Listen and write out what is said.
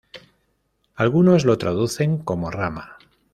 Algunos lo traducen como rama.